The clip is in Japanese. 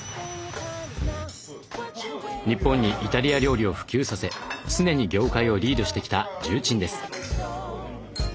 日本にイタリア料理を普及させ常に業界をリードしてきた重鎮です。